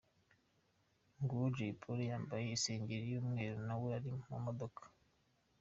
Nguwo Jay Polly yambaye isengeri y'umweru na we ari mu modoka.